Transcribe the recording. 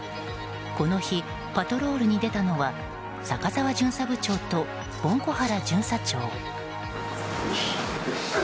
この日、パトロールに出たのは坂澤巡査部長と盆子原巡査長。